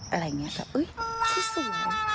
อะไรเงี้ยแบบอุ้ยฉันสวย